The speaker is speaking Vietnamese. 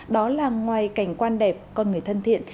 đó là ngoài cảnh quan đẹp con người thân thiện